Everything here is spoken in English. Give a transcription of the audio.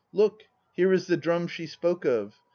Look, here is the drum she spoke of.